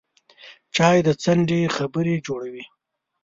چای د څنډې خبرې جوړوي